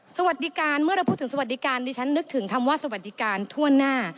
สวัสดีการเมื่อเราพูดถึงสวัสดิการดิฉันนึกถึงคำว่าสวัสดิการทั่วหน้า